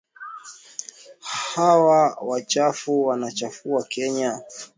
Hawa wachafu wanachafua Kenya.